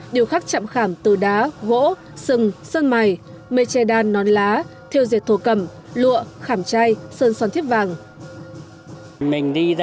điều khác chạm khảm từ đá gỗ sừng sơn mày mê che đan nón lá theo dệt thủ cầm lụa khảm chay sơn son thiết vàng